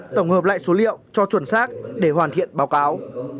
tổng hợp lại số liệu cho chuẩn xác để hoàn thiện báo cáo